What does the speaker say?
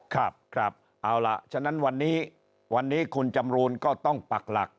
ครับครับเอาล่ะฉะนั้นวันนี้วันนี้คุณจำรูนก็ต้องปักหลัก